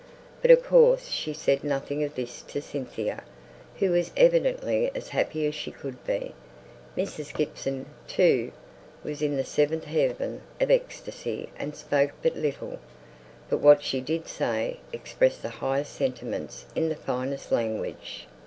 But of course she said nothing of this to Cynthia, who was evidently as happy as she could be. Mrs. Gibson, too, was in the seventh heaven of ecstasy, and spoke but little; but what she did say, expressed the highest sentiments in the finest language.